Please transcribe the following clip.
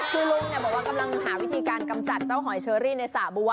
คือลุงบอกว่ากำลังหาวิธีการกำจัดเจ้าหอยเชอรี่ในสระบัว